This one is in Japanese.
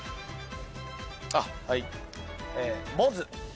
あっはい。